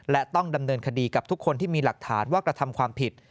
และต้องดำเนินคดีกับทุกคนที่มีหลักฐานว่ากระทำความผิด